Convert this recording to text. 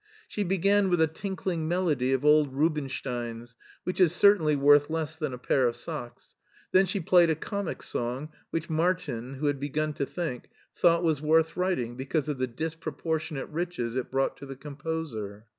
She began with a tinkling melody of, old Rubinstein's, which is certainly worth less than a pair of socks ; then she played a comic song which Martin, who had begun to think, thought was worth writing because of the disproportionate riches it brought to the composer.